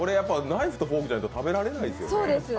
ナイフとフォークじゃないと食べられないですよね。